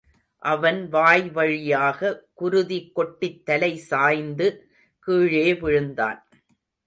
அவன் வாய்வழியாக, குருதி கொட்டித் தலைசாய்ந்து, கீழே விழுந்தான்.